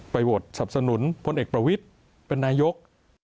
โหวตสับสนุนพลเอกประวิทธิ์เป็นนายก